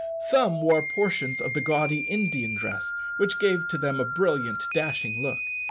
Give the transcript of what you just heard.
Some wore portions of the gaudy Indian dress, which gave to them a brilliant, dashing look.